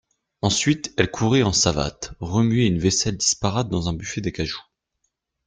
Ensuite elle courait en savates, remuer une vaisselle disparate dans un buffet d'acajou.